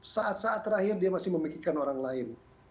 saat saat terakhir dia masih memikirkan orang lain